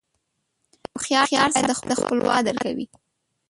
• یو هوښیار سړی د خپل وخت قدر کوي.